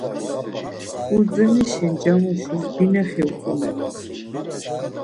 Urdzenişi ncamuşis binexi utzumenan.